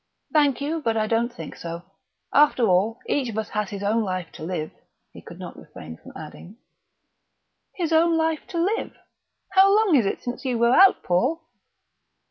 "Thank you, but I don't think so. After all each of us has his own life to live," he could not refrain from adding. "His own life to live!... How long is it since you were out, Paul?"